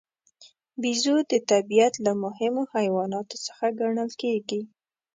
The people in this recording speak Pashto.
بیزو د طبیعت له مهمو حیواناتو څخه ګڼل کېږي.